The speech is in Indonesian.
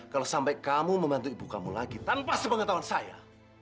kalau sampai kamu membantu ibu kamu lagi tanpa sepengetahuan saya